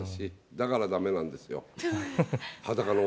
だからだめなんですよ。